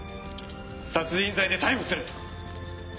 殺人罪で逮捕する。